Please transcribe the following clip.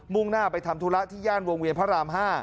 ่งหน้าไปทำธุระที่ย่านวงเวียนพระราม๕